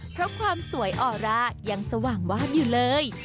เพราะความสวยออร่ายังสว่างวานอยู่เลย